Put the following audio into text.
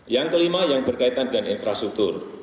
yang kelima yang berkaitan dengan infrastruktur